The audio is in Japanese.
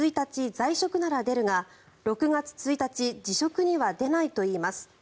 在職なら出るが６月１日辞職には出ないといいます。